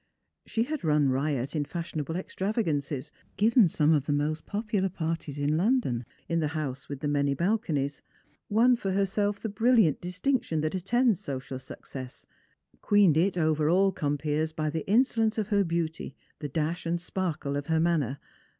She had run riot in fashionable extravagances ; given some of the most popular parties in London, in the house with the many balconies ; won for herself the brilliant distinction that attends social success ; queened i\ over all compeers by the insolence of her beauty, the dash and sparkle of her manner.